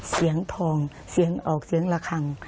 เสียงทองเสียงออกเสียงระคัง